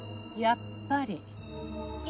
やっぱり？